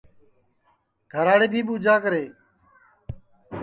گھراڑے بھی ٻوجھا کرے